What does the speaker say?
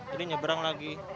jadi nyebrang lagi